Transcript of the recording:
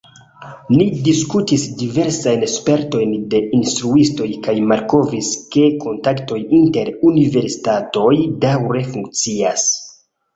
Ni diskutis diversajn spertojn de instruistoj, kaj malkovris, ke kontaktoj inter universitatoj daŭre funkcias.